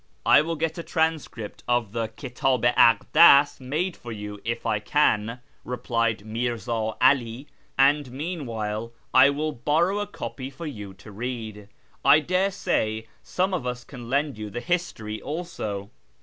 " I will get a transcript of the Kitdh i Akclas made for you if I can," replied Mirza 'Ali, " and meanwhile I will borrow a copy for you to read. I daresay some of us can lend you the History also.